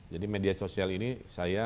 jadi media sosial ini saya